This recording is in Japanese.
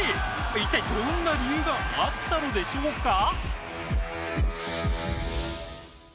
一体、どんな理由があったのでしょうか？